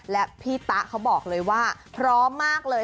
และพี่ตะเขาบอกเลยว่าพร้อมมากเลย